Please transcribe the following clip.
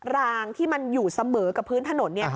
รางที่มันอยู่เสมอกับพื้นถนน